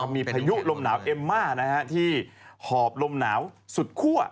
มีพายุลมหนาวเอ็มมาที่หอบลมหนาวสุดคั่ว